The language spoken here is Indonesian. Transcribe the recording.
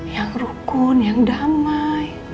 yang rukun yang damai